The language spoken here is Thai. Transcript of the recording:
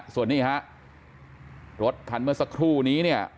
ส่วนนี้ฮะรถคันเมื่อสักครู่นี้เนี่ย